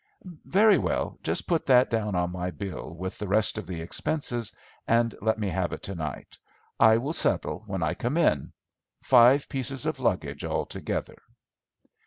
"Very well; just put that down in my bill with the rest of the expenses, and let me have it to night. I will settle when I come in. Five pieces of luggage altogether."